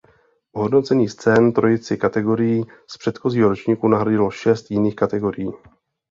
V hodnocení scén trojici kategorií z předchozího ročníku nahradilo šest jiných kategorií.